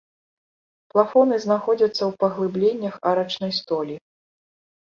Плафоны знаходзяцца ў паглыбленнях арачнай столі.